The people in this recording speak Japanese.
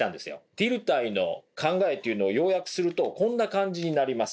ディルタイの考えというのを要約するとこんな感じになります。